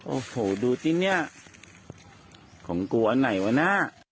โอ้โหดูสิเนี่ยของกลัวอันไหนวะน่ะ